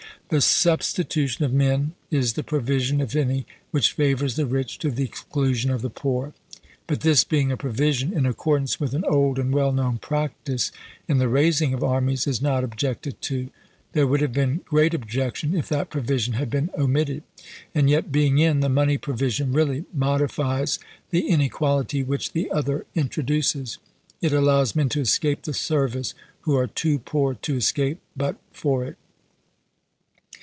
The substitu 54 ABEAHAM LINCOLN chap. ii. tion of men is the provision, if any, which favors the rich to the exclusion of the poor. But this being a provision in accordance with an old and well known practice, in the raising of armies, is not ob j ected to. There would h ave been great ob j ection if that provision had been omitted. And yet being in, the money provision really modifies the in equality which the other introduces. It allows men to escape the service who are too poor to es cape but for it.